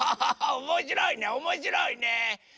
おもしろいねおもしろいね！